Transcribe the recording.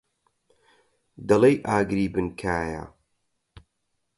دەڵێی ئاگری بن کایە.